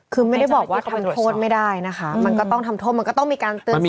คือไม่ได้บอกว่าทำโทษไม่ได้นะคะมันก็ต้องทำโทษมันก็ต้องมีการเตือนสติ